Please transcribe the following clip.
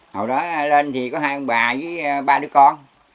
hồi đó lên thì có hai ông bà với ba đứa con